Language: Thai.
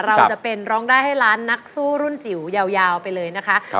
เราจะเป็นร้องได้ให้ล้านนักสู้รุ่นจิ๋วยาวไปเลยนะคะ